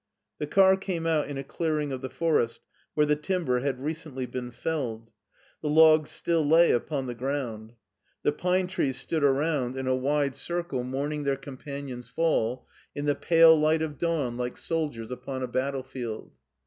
The car came out in a clearing of the forest, where the timber had recently been felled. The logs still lay upon the ground. The pine trees stood around in a 248 MARTIN SCHtJLER wide cirde mourning their companions' fall, in the pale light of dawn like soldiers upon a battlefield.